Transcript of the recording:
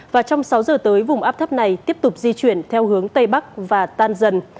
và trong sáu giờ tới vùng áp thấp này tiếp tục di chuyển theo hướng tây bắc và tan dần